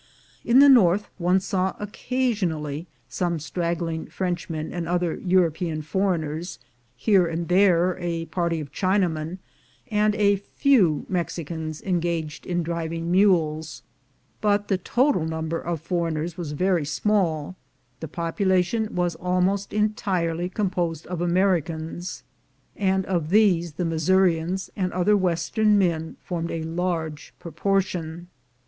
In the north, one saw occasionally some straggling Frenchmen and other European foreigners, here and there a party of Chinamen, and a few Mexi cans engaged in driving mules, but the total number of foreigners was very small : the population was almost entirely composed of Americans, and of these the Missourians and other western men formed a large proportion.